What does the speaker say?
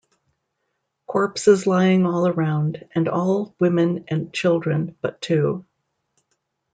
Corpses lying all around, and all women and children, but two.